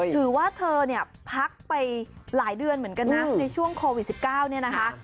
เธอเนี่ยพักไปหลายเดือนเหมือนกันนะในช่วงโควิด๑๙เนี่ยนะคะ